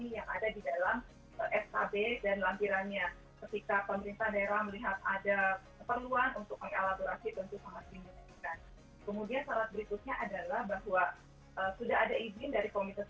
dan kita harus memiliki hak yang lebih baik